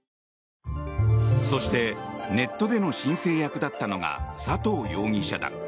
そしてネットでの申請役だったのが佐藤容疑者だ。